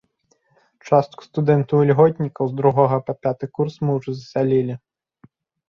Частку студэнтаў-ільготнікаў з другога па пяты курс мы ўжо засялілі.